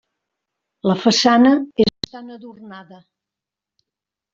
La façana és bastant adornada.